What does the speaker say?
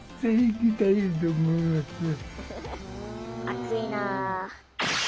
熱いな。